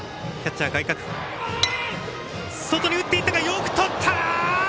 よくとった！